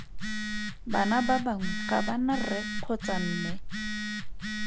Bana ba bangwe ga ba na rre kgotsa mme.